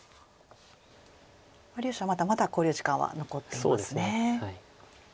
両者まだまだ考慮時間は残っていますね。